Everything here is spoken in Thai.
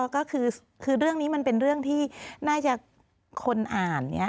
ก็คือเรื่องนี้มันเป็นเรื่องที่น่าจะคนอ่าน